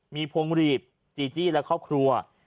มีพงหลีบจีและครอบครัว